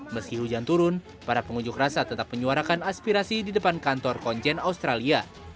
meski hujan turun para pengunjuk rasa tetap menyuarakan aspirasi di depan kantor konjen australia